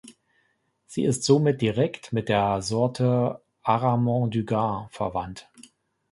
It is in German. Sie ist somit direkt mit der Sorte Aramon du Gard verwandt.